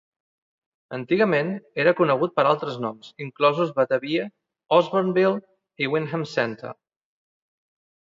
Antigament era conegut per altres noms, inclosos "Batavia", "Osbornville" i "Windham Center".